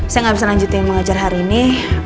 saya gak bisa lanjutin pengajaran hari ini